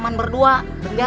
dan men rerollopakannya